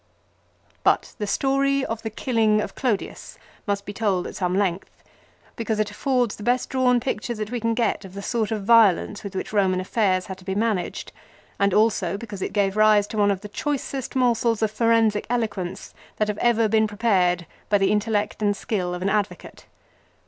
But the story of the killing of Clodius must be told at some length, because it affords the best drawn picture that we can get of the sort of violence with which Eoman affairs had to be managed ; and also because it gave rise to one of the choicest morsels of forensic eloquence that have ever been prepared by the intellect and skill of an advocate.